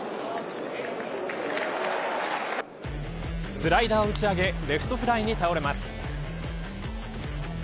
スライダーを打ち上げレフトフライに倒れます。